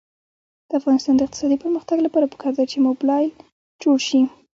د افغانستان د اقتصادي پرمختګ لپاره پکار ده چې موبلایل جوړ شي.